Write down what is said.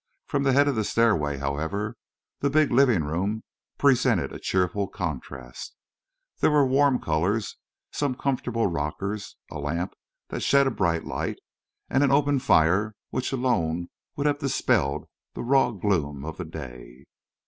From the head of the stairway, however, the big living room presented a cheerful contrast. There were warm colors, some comfortable rockers, a lamp that shed a bright light, and an open fire which alone would have dispelled the raw gloom of the day.